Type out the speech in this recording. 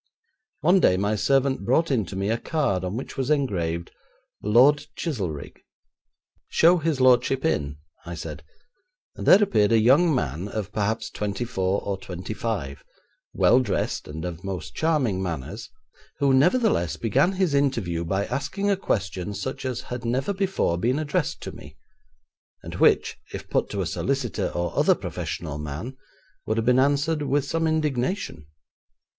One day my servant brought in to me a card on which was engraved 'Lord Chizelrigg.' 'Show his lordship in,' I said, and there appeared a young man of perhaps twenty four or twenty five, well dressed, and of most charming manners, who, nevertheless, began his interview by asking a question such as had never before been addressed to me, and which, if put to a solicitor, or other professional man, would have been answered with some indignation.